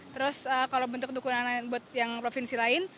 terus kalau bentuk dukungan yang provinsi lain